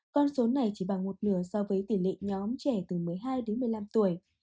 con số này chỉ bằng một nửa so với tỷ lệ nhóm trẻ từ một mươi hai đến một mươi năm tuổi